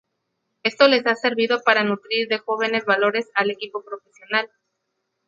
Esto les ha servido para nutrir de jóvenes valores al equipo profesional.